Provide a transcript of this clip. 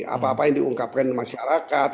apa apa yang diungkapkan masyarakat